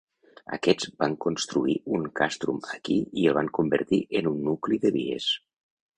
Aquests van construir un castrum aquí i el van convertir en un nucli de vies.